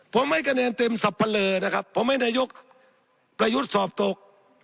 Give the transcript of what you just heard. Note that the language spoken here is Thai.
ผมไม่กระแนนเต็มสับปะเลอนะครับผมไม่ได้ยกประยุทธ์สอบตก